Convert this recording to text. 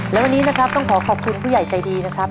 และวันนี้นะครับต้องขอขอบคุณผู้ใหญ่ใจดีนะครับ